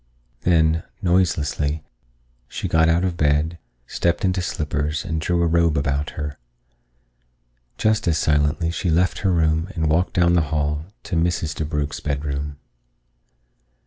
Then, noiselessly, she got out of bed, stepped into slippers, and drew a robe about her. Just as silently she left her room and walked down the hall to Mrs. DeBrugh's bedroom.